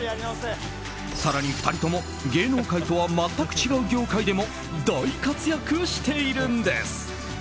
更に２人とも芸能界とは全く違う業界でも大活躍しているんです。